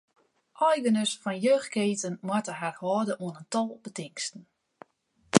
Eigeners fan jeugdketen moatte har hâlde oan in tal betingsten.